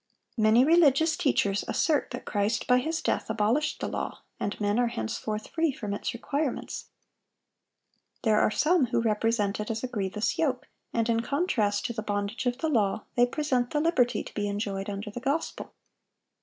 Many religious teachers assert that Christ by His death abolished the law, and men are henceforth free from its requirements. There are some who represent it as a grievous yoke; and in contrast to the bondage of the law, they present the liberty to be enjoyed under the gospel.